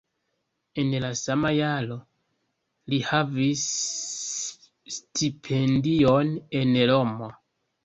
En la sama jaro li havis stipendion en Romo.